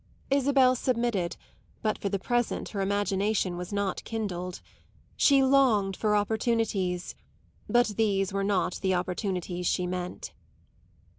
Isabel submitted, but for the present her imagination was not kindled; she longed for opportunities, but these were not the opportunities she meant.